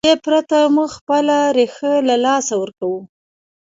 له دې پرته موږ خپله ریښه له لاسه ورکوو.